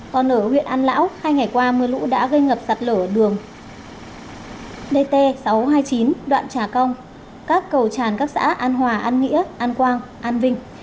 còn ở huyện an lão hai ngày qua mưa lũ đã gây ngập sạt lở đường dt sáu trăm hai mươi chín đoạn trà công các cầu tràn các xã an hòa an nghĩa an quang an vinh